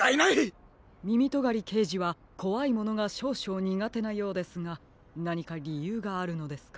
みみとがりけいじはこわいものがしょうしょうにがてなようですがなにかりゆうがあるのですか？